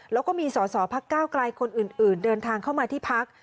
แล้วก็มีสอสอพักก้าวไกลคนอื่นเดินทางเข้ามาที่พัก